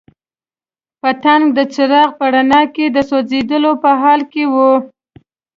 پتنګ د څراغ په رڼا کې د سوځېدو په حال کې وو.